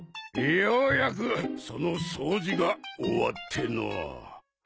ようやくその掃除が終わってのう。